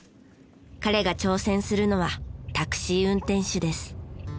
彼が挑戦するのはタクシー運転手です。